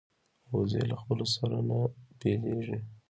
وزې له خپلو سره نه بیلېږي